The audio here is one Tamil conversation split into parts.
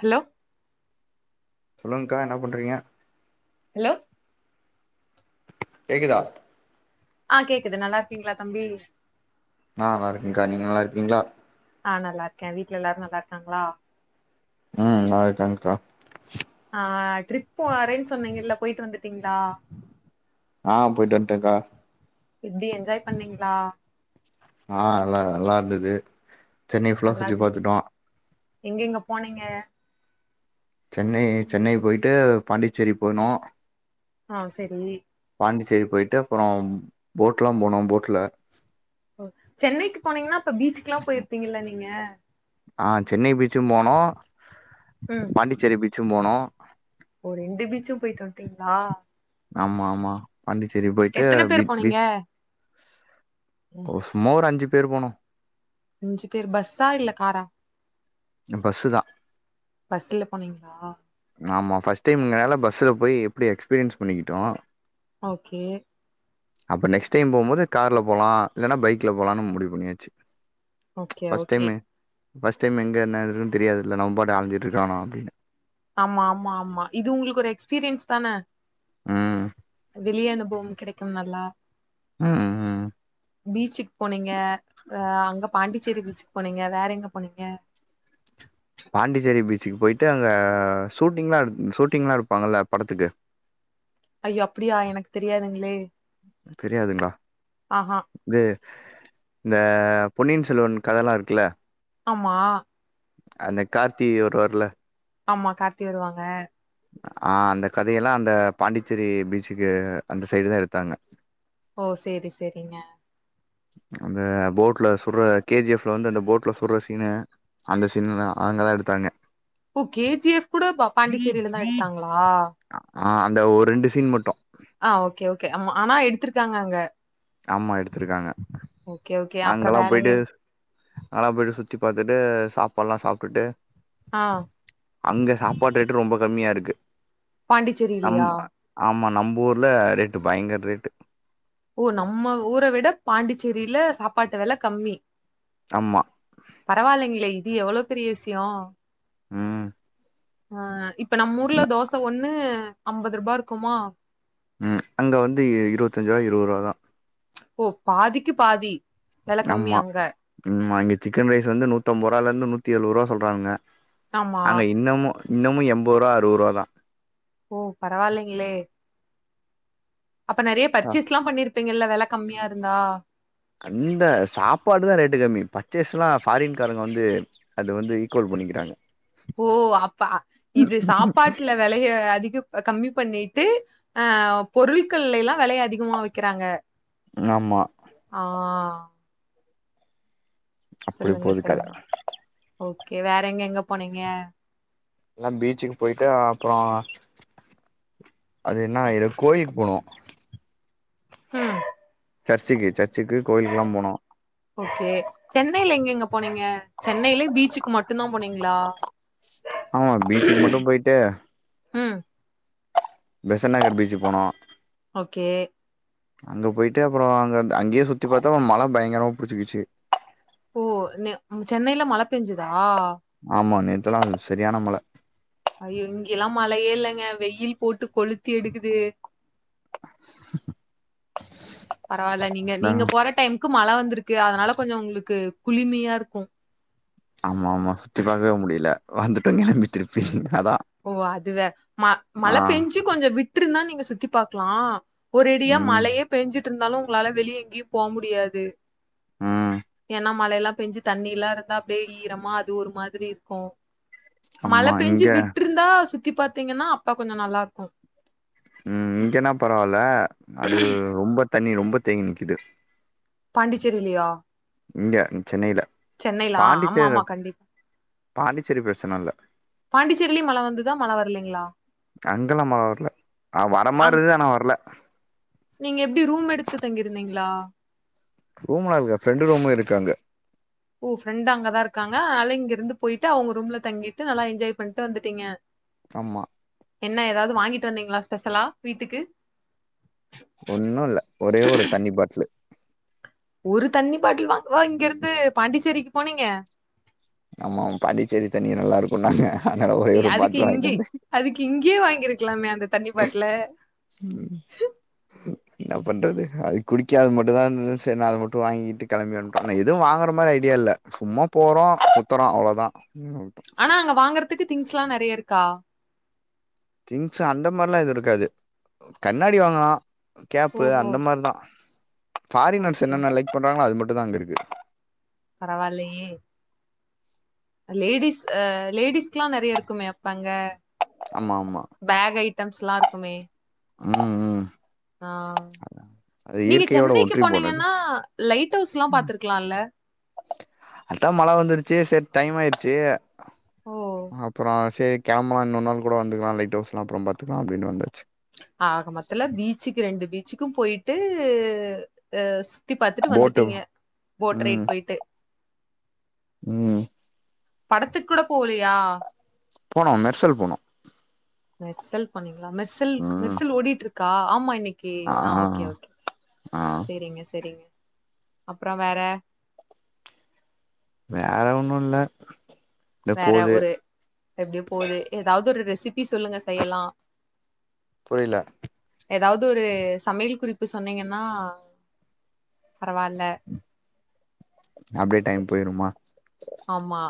ஹலோ சொல்லுங்கா என்ன பண்ணுறீங்க ஹலோ கேக்குதா ஆ கேக்குது நல்லாருக்கீங்களா தம்பி நா நல்லாருக்கேங்கா நீங்க நல்லாருக்கீங்களா ஆ நல்லாருக்கே வீட்ல எல்லாரு நல்லாருக்காங்களா ம் நல்லா இருக்கங்க்கா ஆ ட்ரிப் வரேன் சொன்னீங்கல போயிட்டு வந்துட்டீங்ளா ஆ போயிட்டு வந்ட்டேங்க்கா எப்டி என்ஜாய் பண்ணீங்ளா ஆ எல்லா நல்லா இருந்தது சென்னை ஃபுல்லா சுத்தி பாத்துட்டோ எங்கெங்க போனீங்க சென்னை சென்னை போயிட்டு பாண்டிச்சேரி போணோ ஆ செரி பாண்டிச்சேரி போயிட்டு அப்புறம் போட்லா போனோ போட்ல ஓ சென்னைக்கு போனீங்கனா அப்ப பீச்சுக்கெல்லா போயிருப்பிங்கல்ல நீங்க ஆ சென்னை பீச்சும் போனோ ம் பாண்டிச்சேரி பீச்சு போனோ ஓ ரெண்டுபீச்சும் போயிட்டு வன்ட்டீங்ளா ஆமா ஆமா பாண்டிச்சேரி போயிட்டு எத்தன பீ பேர் போனீங்க பீச் ஓ சும்மா ஒரு அஞ்சு பேர் போனோ அஞ்சு பேர் பஸ்ஸா இல்ல காரா பஸ்ஸுதா பஸ்ல போனீங்களா ஆமா ஃபர்ஸ்ட் டைம்ங்கனால பஸ்ல போய் எப்டி எக்ஸ்பீரியன்ஸ் பண்ணிக்கிட்டோ ஓகே அப்ப நெக்ஸ்ட் டைம் போம்போது கார்ல போலா இல்லனா பைக்ல போலானு முடிவு பண்ணியாச்சு okay first time okay first time எங்க என்ன இதுன்னு தெரியாதுல நம்மம்பாட்டுக்கு அழஞ்சிட்டு இருக்க வேனா அப்டினு ஆமா ஆமா ஆமா இது உங்களுக்கு ஒரு எக்ஸ்பீரியன்ஸ் தான ம் வெளிய அனுபவம் கிடைக்கும் நல்லா ம் ம் பீச்சுக் போனீங்க அ அங்க பாண்டிச்சேரி பீச்சுக் போனீங்க வேற எங்க போனீங்க பாண்டிச்சேரி பீச்சுக்கு போய்ட்டு அங்க ஷூட்டிங்லா எடுப் ஷூட்டிங்லா எடுப்பாங்கல்ல படத்துக்கு ஐயோ அப்டியா எனக்கு தெரியாதுங்ளே தெரியாதுங்ளா ஆஹா இது இந்த பொன்னியின் செல்வன் கத எல்லா இருக்குல்ல ஆமா அதுல கார்த்தி வருவார்ல ஆமா கார்த்தி வருவாங்க ஆ அந்த கதையெல்லா அந்த பாண்டிச்சேரி பீச்சுக்கு அந்த சைடு தா எடுத்தாங்க ஓ செரி செரிங்க அந்த போட்ல சுடுற கேஜிஎஃப்ல வந்து அந்த போட்ல சுட்ற சீனு அந்த சின்ல அங்கதா எடுத்தாங்க ஓ கேஜிஎஃப் கூட பா பாண்டிச்சேரியில தா எடுத்தாங்களா ஆ அந்த ஒரு ரெண்டு சீன் மட்டு ஆ ஓகே ஓகே ஆமா ஆனா எடுத்திருக்காங்க அங்க அம்மா எடுத்திருக்காங்க ஓகே ஓகே அப்றோ அங்கல்லா வேற எங்க போயிட்டு நல்லா போயிட்டு சுத்தி பாத்துட்டு சாப்பாடுல்லா சாப்டுட்டு ஆ அங்க சாப்பாடு ரேட்டு ரொம்ப கம்மியா இருக்கு நம் பாண்டிச்சேரிலயா ஆமா நம்பூர்ல ரேட்டு பயங்கர ரேட்டு ஓ நம்ம ஊர விட பாண்டிச்சேரியில சாப்பாட்டு வெல கம்மி ஆமா பரவாயில்லைங்களே இது எவ்வளோ பெரிய விஷ்யோ ம் ஆ இப்ப நம் ஊர்ல ந தோச ஒண்ணு அம்பது ரூபா இருக்குமா ம் அங்க வந்து இருவத்தஞ்சுரூவா இரூர்ரூவா தா ஓ பாதிக்கு பாதி வெல கம்மி அங்க ம்மா இங்க சிக்கன் ரைஸ் வந்து நூத்தம்பதுரூபால இருந்து நூத்தி எழுவரூபா சொல்றாங்க ஆமா அங்க இன்னமு இன்னமு எம்பதுரூவா அரூர்ரூவா தா ஓ பரவாயில்லைங்களே அப்ப நெறைய தா பர்ச்சேஸ்லா பண்ணிருப்பீங்கல்ல வெல கம்மியா இருந்தா அந்த சாப்பாடு தா ரேட்டு கம்மி பர்ச்சேஸ் எல்லா ஃபாரின்காரங்க வந்து அது வந்து ஈக்குவல் பண்ணிக்கிறாங்க ஓ அப்ப இது சாப்பாட்டுல வெலைய அதிக அ கம்மி பண்ணிட்டு ஆ பொருட்கள்ல எல்லா வெலைய அதிகமா வெக்கிறாங்க ஆமா ஆ அப்டி சொல்லுங்க போது கத சொல்லுங் ஓகே வேற எங்க எங்க போனீங்க எல்லா பீச்சுக்கு போய்ட்டு அப்பறோ அது என்ன இட கோயிலுக் போனோ ம் சர்ச்சுக்கு சர்ச்சுக்கு கோயிலுக்கெல்லா போனோ ஓகே சென்னையில எங்க எங்க போனீங்க சென்னையிலயு பீச்சுக்கு மட்டு தா போனீங்களா ஆ பீச்சுக்கு மட்டு போய்ட்டு ம் பெசன் நகர் பீச்சுக் போனோ ஓகே அங்க போயிட்டு அப்புறோ அங்க அங்கயே சுத்தி பாத்தோ மழ பயங்கரமா புடிச்சிகிச்சு ஓ நெ அங்க சென்னையில மழ பெஞ்சுதா ஆமா நேத்தெல்லா செரியான மழ ஐயோ இங்கெல்லா மழையே இல்லங்க வெயில் போட்டு கொளுத்தி எடுக்குது பரவால்ல நீங்க நீங்க போற டைம்க்கு மழ வந்திருக் க்கு அதனால கொஞ்சோ உங்களுக்கு குளிமையா இருக்கு ஆமா ஆமா சுத்தி பாக்கவே முடியல வந்துட்டோ கெளம்பி திருப்பி அதா ஓ அதுவே ம மழ ஆ பெஞ்சு கொஞ்ச விட்டுருந்தா நீங்க சுத்தி பாக்கலா ஒரு இடியா ம் மழையே பெஞ்சிட்டு இருந்தாலு உங்களால வெளிய எங்கேயு போ முடியாது ம் ஏன்னா மழல்லா பெஞ்சு தண்ணி எல்லா இருந்தா அப்படியே ஈரமா அது ஒரு மாதிரி இருக்கு மழ ஆமா பேஞ்சு இங்க விட்டுருந்தா சுத்தி பாத்தீங்கன்னா அப் ம் இங்கங்கனா பரவாயில்ல அது ரொம்ப தண்ணி ரொம்ப தேங்கி நிக்குது பாண்டிச்சேரியிலயா இங்க சென்னயில சென்னைல ஆ ஆமாமா கண்டிப் பாண்டிச்சேரி பிரச்சன இல்ல பாண்டிச்சேரிலயு மழ வந்துதா மழ வரலைங்களா அங்கலா மழ வர்ல ஆவ வர மாரி அங் இருந்தா நா வரல நீங்க எப்டி ரூம் எடுத்து தங்கியிருந்தீங்ளா ரூம் நாளுக்க ஃப்ரெண்டு ரூம் இருக்கு அங்க ஓ ஃப்ரெண்ட் அங்க தா இருகாங்க அய்ல இங்க இருந்து போயிட்டு அவுங்க ரூம்ல தங்கிட்டு நல்லா என்ஜாய் பண்ணிட்டு வந்துட்டீங்க ஆமா என்ன எதாவுது வாங்கிட்டு வந்தீங்களா ஸ்பெஷலா வீட்டுக்கு ஒன்னு இல்ல ஒரே ஒரு தண்ணி பாட்லு ஒரு தண்ணி பாட்டில் வாங்கவா இங்கிருந்து பாண்டிச்சேரிக்கு போனீங்க ஆமா பாண்டிச்சேரி தண்ணி நல்லாருக்குன்னாங்க அதுக்கு இங்கி அதுக்கு இங்கேயே வாங்கிருக்குலாமே அந்த தண்ணி பாட்ல [unintelligible] என்ன பண்றது அது குடிக்க மட்டுதா இருந்துது சரி நா அத மட்டு வாங்கிட்டு கெளம்பி வன்ட்ட ஆன எதுவு வாங்குற மாதிரி ஐடியா இல்ல சும்மா போறோ சுத்துறோ அவ்ளோதா ம் ஆவுட்டு ஆனா அங்க வாங்கறதுக்கு திங்ஸ்ல்லா நெறைய இருக்கா திங்ஸ் அந்த மார்லா எதுவுருக்காது கண்ணாடி வாங்கலா க்கேப்பு ஓஹோ அந்த மாதிரிதா ஃப்பாரினர்ஸ் ஓகே என்னன்ன லைக் பண்றாங்களோ அது மட்டு தா அங்க இருக்கு பரவால்லயே லேடிஸ் அ லேடிஸ்க்கெல்லா நெறைய இருக்குமே அப்ப அங்க ஆம்மாம்மா பேக் ஐட்டம்ஸ்ல்லா இருக்குமே ம் ம் ஆ அது நீங்க இயற்கையோட சென்னைக்கு ஒற்றி போனது போனீங்கன்னா லைட்ஹவுஸ்ல்லா பாத்துருக்கால்ல அதா மழ வந்துருச்சு சரி டைம் ஆயிருச்சு ஓ! அப்றோ சேரி கெலம்லா இன்னொரு நாள் கூட வந்துக்குலா லைட் ஹவுஸ்லா அப்றோ பாத்துக்குலா அப்டின்னு வந்தாச்சு ஆக மத்தல பீச்சுக்கு ரெண்டு பீச்சுக்கு போயிட்டு சுத்தி பாத்துட்டு போட்டு வந்துட்டீங்க ம் போட்ரைட் போயிட்டு ம் படத்துக் கூட போவுலயா போனோ மெர்சல் போனோ மெர்சல் போன்னீங்ளா மெர்சல் ம் மெர்சல் ஓடிட்டு இருக்கா ஆமா இன்னக்கி ஆ ஓகே ஓகே ஆ செரிங்க செரிங்க அப்றோ வேற வேற ஒண்ணு இல்ல இப்டியே வேற போது ஒரு எப்டியோ போது எதாவுது ஒரு ரெசிபி சொல்லுங்க செய்யலா புரில எதாவுது ஒரு சமையல் குறிப்பு சொன்னீங்கன்னா பரவால்ல அப்டே டைம் போய்டுமா ஆமா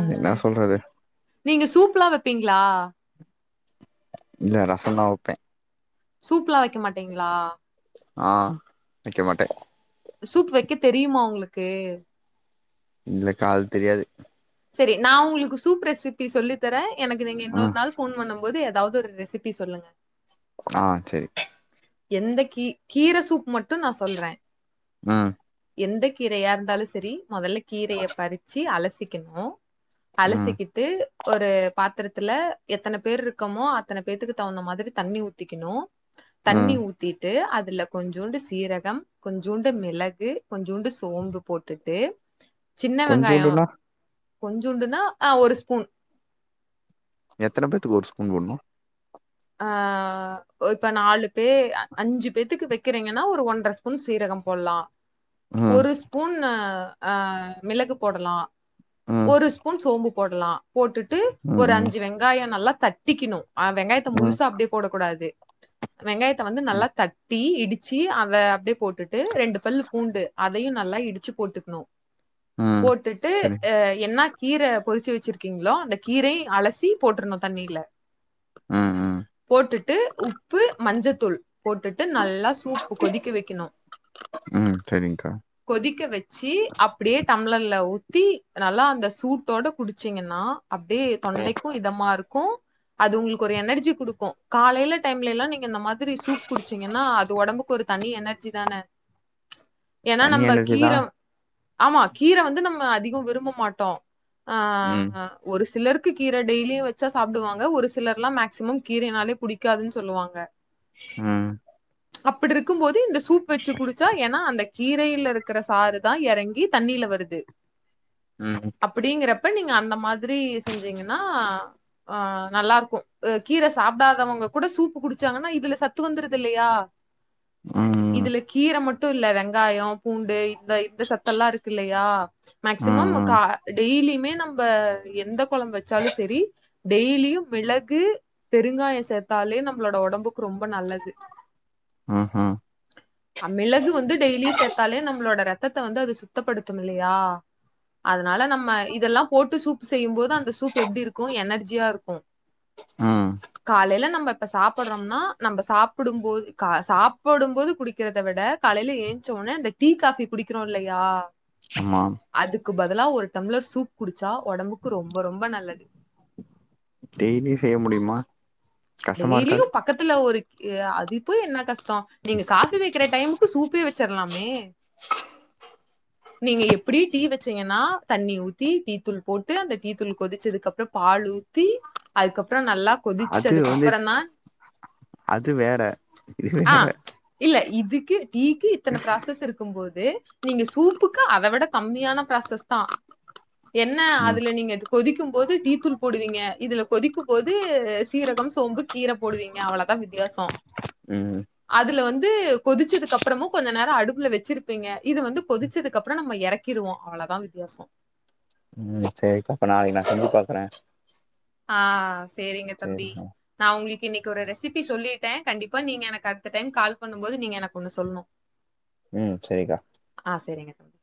அ என்ன சொல்றது நீங்க சூப்ல்லா வைப்பீங்ளா இல்ல ரஸ்சோ தா வைப்பே சூப்லா வைக்க மாட்டீங்ளா ஆ வைக்க மாட்டே சூப் வைக்க தெரியுமா உங்களுக்கு இல்லகால் தெரியாது சரி நா உங்களுக்கு சூப் ரெசிபி சொல்லித்தரே எனக்கு நீங்க இன்னொரு ம் நாள் ஃபோன் பண்ணும் போது எதாவுது ஒரு ரெசி திப்பி சொல்லுங்க ஆ சேரி எந்த கீ கீரை சூப் மட்டு நா சொல்றே ம் எந்தக் கீரையா இருந்தாலு சரி மொதல்ல கீரைய பறிச்சு அலசிக்கணு ம் அலசிகி ட்டு ஒரு பாத்திரத்துல எத்தனை பேர் இருக்கமோ அத்தனை பேத்துக்கு தகுந்த மாரி தண்ணி ஊத்திக்ணு தண்ணி ம் ஊத்திட்டு அதுல கொஞ்சூண்டு சீரகம் கொஞ்சூண்டு மிளகு கொஞ்சோண்டு சோம்பு போட்டுட்டு சின்ன வெங்காய கொஞ்சோண்டுனா கொஞ்சண்டுன்னா ஆ ஒரு ஸ்பூன் எத்தனை பேத்துக்கு ஒரு ஸ்பூன் போடணு ஆ இப்ப நாலு பேர் அஞ்சு பேத்துக்கு வ இருக்கிறீங்கன்னா ஒரு ஒன்ற ஸ்பூன் சீரகம் போடலாம் ம் ஒரு ஸ்பூன் ஆ ஆ மிளகு போடலாம் ம் ஒரு ஸ்பூன் சோம்பு போடலாம் போட்டுட்டு ஒரு ம் அஞ்சு வெங்காய நல்லா தட்டிக்கணும் ஆ வெங்காயத்த ம் ம் முழுசா அப்டியே போடக்க கூடாது வெங்காயத்தை வந்து நல்லா ம் தட்டி இடிச்சு அத அப்டியே போட்டுட்டு ரெண்டு பல்லு பூண்டு அதையும் நல்லா இடிச்சு போட்டுக்கணும் ம் போட்டுட்டு சரி அ என்ன கீரை பொறிச்சு வச்சிருக்கீங்களோ அந்த கீரை அலசி போட்டிருணு தண்ணியில ம் போட்டுட்டு உப்பு மஞ்சத்தூள் போட்டுட்டு நல்லா சூப்பு கொதிக்க வெக்கணு ம் சரிங்கா கொதிக்க வச்சு அப்டியே டம்ளர்ல ஊத்தி நல்லா அந்த சூட்டோட குடிச்சிங்கன்னா அப்டியே தொண்டைக்கு இதமா இருக்கு அது உங்களுக் கு ஒரு எனர்ஜி குடுக்கு காலையையில டைம்ல எல்லா நீங்க இந்த மாரி சூப் குடிச்சீங்கன்னா அது ஒடம்புக்கு ஒரு தனி எனர்ஜி தானே ஏன்னா தனி நம்ம எனர்ஜி தா கீரை ஆமா கீரை வந்து நம்ம அதிகம் விரும்ப மாட்டோ ஆ ம் ஒரு சிலருக்கு கீரை டெய்லியும் வச்சா சாப்பிடுவாங்க ஒரு சி லர்லா மேக்சிமம் கீரைையனாலே புடிக்காதுன்னு சொல்லுவாங்க ம் அப்டி இருக்கும் போது இந்த சூப் வச்சு குடிச்சா ஏன்னா அந்த கீரையில இருக்கிற சாறுதா எறங்கி தண்ணில வருது ம் அப்டிங்கறப்ப நீங்க அந்த மாதிரி செஞ்சீங்கன்னா அ நல்லா இருக் கு கீரை சாப்பிடாதவங்க கூட சூப்பு குடிச்சாங்கன்னா இதுல சத்து வந்துருது இல்லையா ம் ம் இதுல கீரை மட் டு இல்ல வெங்காயம் பூண்டு இந்த இந்த சத்த எல்லா இருக்கு இல்லையா மேக்சிமம் ம் கா டெய்லியுமே நம்ப எந்த கொழம்பு வச்சாலு சரி டெய்லியு மிள கு பெருங்காயோ சேத்தாலே நம்மளோட ஒடம்புக்கு ரொம்ப நல்லது ம் ம் அ மிளகு வந்து டெய்லியு சேத்தாலே நம்மளோட ரத்தத்தை வந்து அது சுத்தப்படுத்தும் இல்லையா அதனால நம்ம இதெல்லா போட்டு சூப் செய்யும் போது அந்த சூப் எப்டி இருக்கு எனர்ஜியா இருக்கு ம் காலையில நம்ம இப்ப சாப்படுறோம்னா நம்ம சாப்பிடும்போது சாப்பிடும் போது குடி க்கிறத விட காலைய ஏஞ்சோடனே அந்த டீ காஃபி குடிக்கிறோ இல்லையா ஆமா அதுக்கு பதிலா ஒரு டம்ளர் சூப் குடிச்சா ஒடம்புக்கு ரொம்ப ரொம்ப நல்லது டெய்லியு செய்ய முடியுமா கஷ்டமா டெய்லியு இருக்காது பக்கத்துல ஒரு ஆ அது போய் என்ன கஷ்ட நீங்க காஃபி வக்கிற டைமுக் கு சூப்பே வச்சிர்லாமே நீங்க எப்டியு டீ வச்சீங்கன்னா தண்ணி ஊத்தி டீ தூள் போட்டு அந்த டீ தூள் கொதிச்சதுக்கப்புற பால் ஊ த்தி அதுக்கப்புற நல்லா கொதிச்சதுக்கப் து அது வேற இது ஆ வேற இல்ல இதுக்கு டீக்கு இத்தன ப்ராசஸ் இருக் கும் போது நீங்க சூப்புக்கு அத விட கம்மியான ப்ராசஸ் தா என்ன ம் அதுல நீங்க கொதிக்கும் போது டீத்தூள் போடுவீங்க இதுல கொதிக்கும் போது சீரகம் சோம்பு கீர போடுவீங்க அவ்ளதா வித்தியாசம் ம் அதுல வந்து கொதிச்சதுக்கப்புறமு கொஞ்ச நேரம் அடுப்புல வச்சிருப்பீங்க இது வந்து கொதிச்சதுக்குப்புற நம்ம எறக் கிருவோ அவ்ளதா வித்தியாச ம் சேரிக்கா அப்ப நாளைக்கு நா செஞ்சு பாக்கற ஆ சேரிங்க தம்பி சரிக்கா நா உங்களுக்கு இன்னைக்கு ஒரு ரெசிப்பி சொல்லிட்டே கண்டிப்பா இப்ப நீங்க எனக்கு அடுத்த டைம் கால் பண்ணும் போது நீங்க எனக்கு ஒண்ணு சொல்ணு ம் சேரிக்கா ஆ சேரிங்க தம்பி